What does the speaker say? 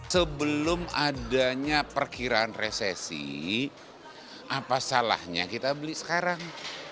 sebelum adanya perkiraan resesi apa salahnya kita beli sekarang